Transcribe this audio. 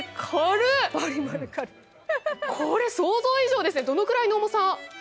これ、想像以上ですね、どれくらいの重さ？